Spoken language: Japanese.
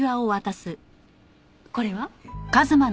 これは？